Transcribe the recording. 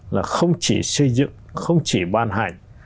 là không chỉ xây dựng không chỉ ban hành